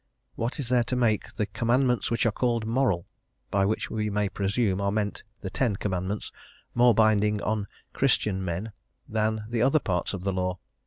What is there to make the "Commandments which are called moral" by which we may presume are meant the Ten Commandments more binding on "Christian men" than the other parts of the law?